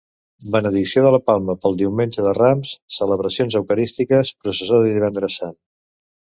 Benedicció de la palma pel Diumenge de Rams, celebracions eucarístiques, processó de Divendres Sant.